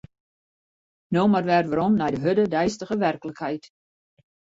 No mar wer werom nei de hurde deistige werklikheid.